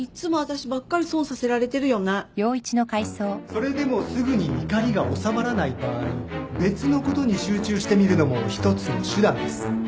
それでもすぐに怒りが収まらない場合別のことに集中してみるのも一つの手段です